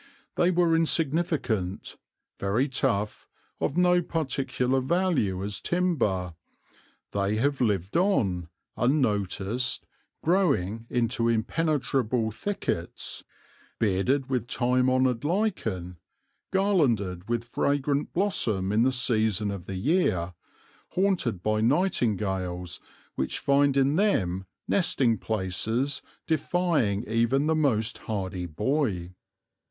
They were insignificant, very tough, of no particular value as timber. They have lived on, unnoticed, growing into impenetrable thickets, bearded with time honoured lichen, garlanded with fragrant blossom in the season of the year, haunted by nightingales which find in them nesting places defying even the most hardy boy.